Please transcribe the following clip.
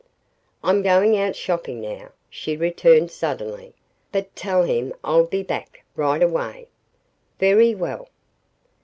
"I'm going out shopping now," she returned, suddenly. "But, tell him I'll be back right away." "Very well."